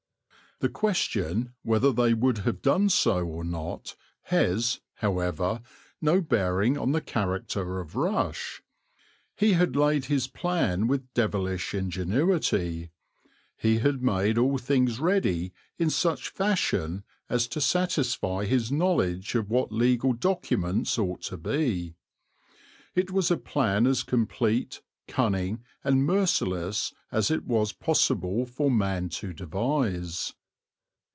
The question whether they would have done so or not has, however, no bearing on the character of Rush. He had laid his plan with devilish ingenuity; he had made all things ready in such fashion as to satisfy his knowledge of what legal documents ought to be. It was a plan as complete, cunning, and merciless as it was possible for man to devise.